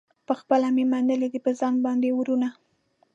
پخپله مي منلي دي پر ځان باندي اورونه